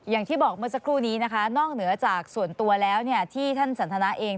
อย่างที่บอกเมื่อสักครู่นี้นะคะนอกเหนือจากส่วนตัวแล้วที่ท่านสันทนาเอง